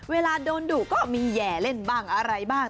เวลาโดนดุก็มีแห่เล่นบ้างอะไรบ้าง